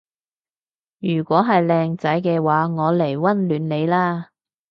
如果係靚仔嘅話我嚟溫暖你啦